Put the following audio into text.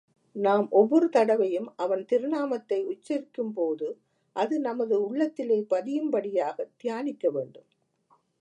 நாம் ஒவ்வொரு தடவையும் அவன் திருநாமத்தை உச்சரிக்கும்போது அது நமது உள்ளத்திலே பதியும்படியாகத் தியானிக்க வேண்டும்.